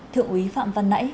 thượng úy phạm văn nãy